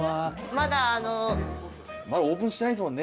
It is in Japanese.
まだオープンしてないっすもんね。